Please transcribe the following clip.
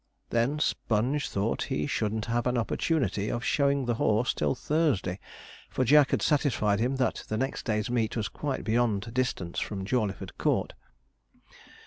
Then Sponge thought he shouldn't have an opportunity of showing the horse till Thursday, for Jack had satisfied him that the next day's meet was quite beyond distance from Jawleyford Court.